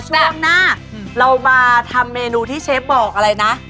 ช่วงหน้าเรามาทำเมนูที่เชฟบอกอะไรนะ